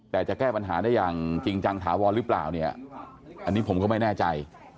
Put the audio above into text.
แต่จะแก้ปัญหาได้อย่างจริงจังถาวรหรือเปล่าเนี่ยอันนี้ผมก็ไม่แน่ใจ